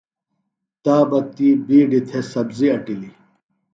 تا بہ تی بِیڈیۡ تھےۡ سبزیۡ اٹِلیۡ۔